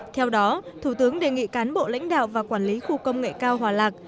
theo đó thủ tướng đề nghị cán bộ lãnh đạo và quản lý khu công nghệ cao hòa lạc